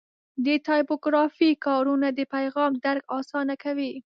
د ټایپوګرافي کارونه د پیغام درک اسانه کوي.